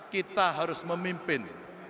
kita harus memimpin